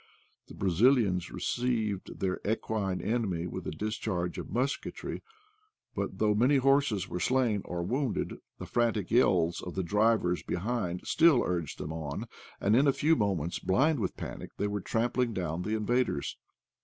The Brazil ians received their equine enemy with a discharge of musketry; but though many horses were slain or wounded, the frantic yells of the drivers behind still urged them on, and in a few moments, blind with panic, they were trampling down the invad ers.